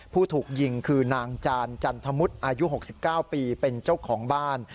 ผู้ถูกยิงคือนางจานจันทมุทรอายุ๖๙ปีเป็นเจ้าของบ้าน